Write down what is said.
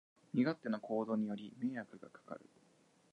身勝手な行動により迷惑がかかる